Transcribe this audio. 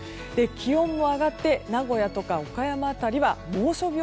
気温も上がって名古屋や岡山辺り猛暑日